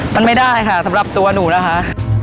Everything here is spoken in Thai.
มันไม่ได้กับตัวหนูนะคะ